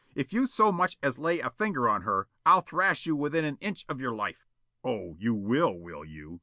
If you so much as lay a finger on her, I'll thrash you within an inch of your life." "Oh, you will, will you?"